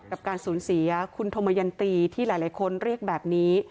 กับการสูญเสียคุณธมยันตีที่หลายคนเรียกแบบนี้